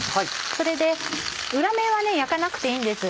それで裏面は焼かなくていいんです。